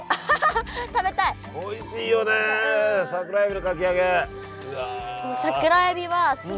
おいしいよね桜えびのかき揚げ。